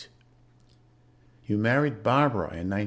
You married Barbara in 1956.